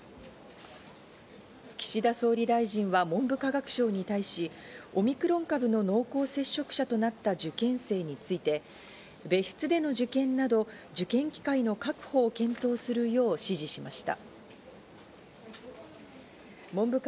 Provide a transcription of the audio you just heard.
岸田総理大臣は文部科学省に対し、オミクロン株の濃厚接触者となった受験生について、別室での受験など、受験機会の確保を検討するよう指示しました。